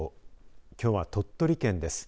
きょうは、鳥取県です。